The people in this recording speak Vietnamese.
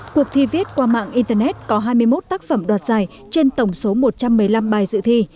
cuộc thi viết qua mạng internet có hai mươi một tác phẩm đoạt giải trên tổng số một trăm một mươi năm bài dự thi